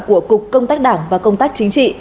của cục công tác đảng và công tác chính trị